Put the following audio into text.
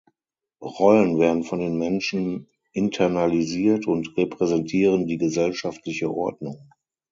Rollen werden von den Menschen internalisiert und repräsentieren die gesellschaftliche Ordnung.